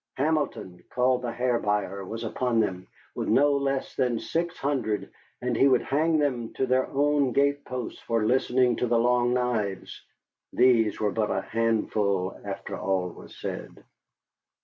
Hamilton, called the Hair Buyer, was upon them with no less than six hundred, and he would hang them to their own gateposts for listening to the Long Knives. These were but a handful after all was said.